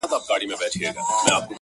• هیله پوره د مخلص هره سي چي,